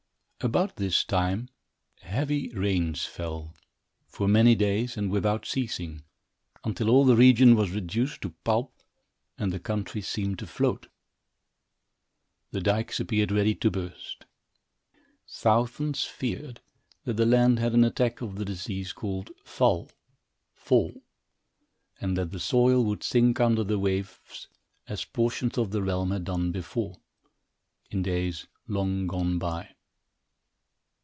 About this time, heavy rains fell, for many days, and without ceasing, until all the region was reduced to pulp and the country seemed afloat. The dykes appeared ready to burst. Thousands feared that the land had an attack of the disease called val (fall) and that the soil would sink under the waves as portions of the realm had done before, in days long gone by.